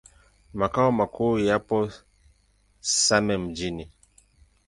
Makao makuu yapo Same Mjini.